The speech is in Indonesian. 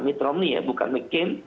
mitt romney ya bukan mccain